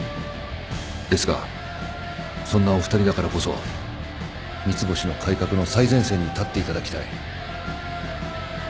ですがそんなお二人だからこそ三ツ星の改革の最前線に立っていただきたい